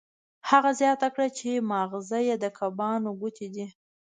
هغه زیاته کړه چې ماغزه یې د کبانو ګوتې دي